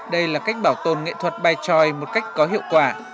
đây là cách bảo tồn nghệ thuật bài tròi một cách có hiệu quả